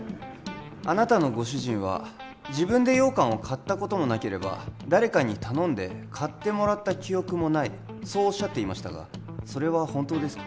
あなたのご主人は自分で羊羹を買ったこともなければ誰かに頼んで買ってもらった記憶もないそうおっしゃっていましたがそれは本当ですか？